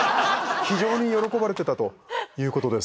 非常に喜ばれていたという事です。